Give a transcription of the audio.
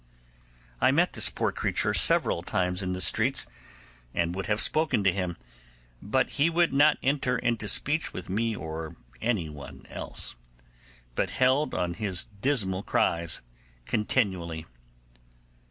I met this poor creature several times in the streets, and would have spoken to him, but he would not enter into speech with me or any one else, but held on his dismal cries continually.